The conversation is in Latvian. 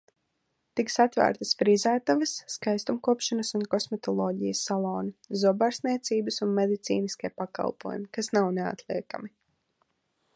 Tiks atvērtas frizētavas, skaistumkopšanas un kosmetoloģijas saloni, zobārstniecības un medicīniskie pakalpojumi, kas nav neatliekami.